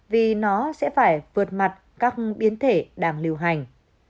vì nó sẽ phải vượt mặt các biến thể đang lưu hành